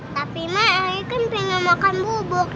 tapi mak ayu kan pingin makan bubuk